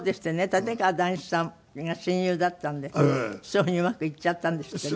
立川談志さんが親友だったんでそういうふうにうまくいっちゃったんですってね。